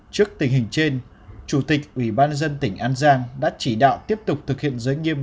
trước tình hình trên chủ tịch ủy ban dân tỉnh an giang đã chỉ đạo tiếp tục thực hiện giới nghiêm